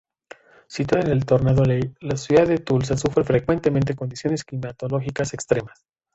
Situada en el "Tornado Alley", la ciudad de Tulsa sufre frecuentemente condiciones climatológicas extremas.